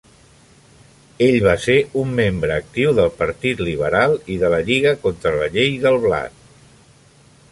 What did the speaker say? Ell va ser un membre actiu del Partit Liberal i de la Lliga contra la Llei del Blat.